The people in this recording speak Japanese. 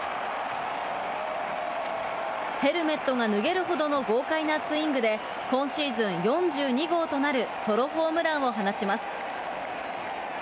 ヘルメットが脱げるほどの豪快なスイングで、今シーズン４２号となるソロホームランを放ちます。